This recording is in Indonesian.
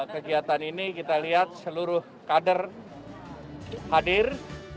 kegiatan ini kita lihat seluruh kader hadir